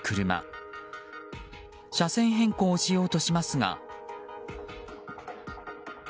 車線変更しようとしますが。